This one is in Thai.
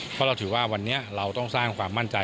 เพราะเราถือว่าวันนี้เราต้องสร้างความมั่นใจ